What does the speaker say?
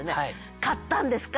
買ったんですか？